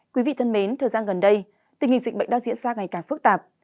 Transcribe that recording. quý vị thân mến thời gian gần đây tình hình dịch bệnh đang diễn ra ngày càng phức tạp